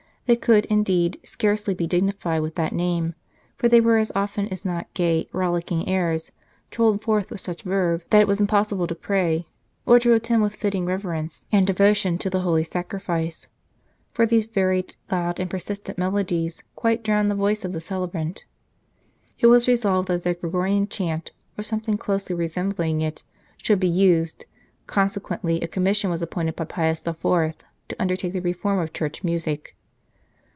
They could, indeed, scarcely be dignified with that name, for they were as often as not gay, rollicking airs, trolled forth with such verve that it was im possible to pray, or to attend with fitting rever ence and devotion to the Holy Sacrifice ; for these varied, loud and persistent melodies quite drowned the voice of the celebrant. It was resolved that the Gregorian chant, or something closely re sembling it, should be used ; consequently a Commission was appointed by Pius IV. to under take the reform of Church music.